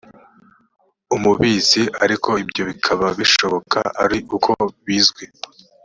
umubitsi ariko ibyo bikaba bishoboka ari uko bizwi